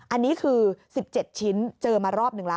อันนี้คือ๑๗ชิ้นเจอมารอบหนึ่งแล้ว